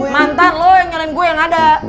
mantan lu yang nyariin gue yang ada